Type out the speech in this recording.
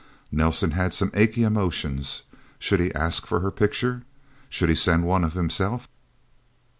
Nelsen had some achy emotions. Should he ask for her picture? Should he send one of himself?